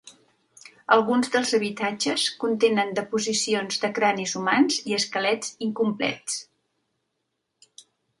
Alguns dels habitatges contenen deposicions de cranis humans i esquelets incomplets.